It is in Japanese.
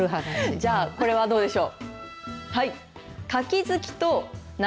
じゃあ、これはどうでしょう。